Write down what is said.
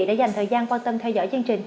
đã dành thời gian cùng với mỗi người